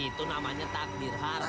itu namanya takdir haram